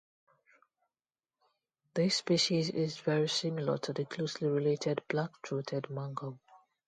This species is very similar to the closely related black-throated mango.